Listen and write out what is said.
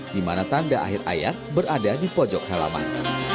dimana tanda akhir ayat berada di pojok halaman